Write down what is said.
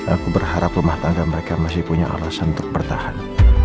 aku berharap rumah tangga mereka masih punya alasan untuk bertahan